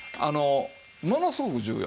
ものすごく重要。